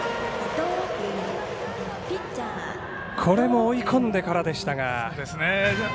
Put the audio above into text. これも追い込んでからでしたが。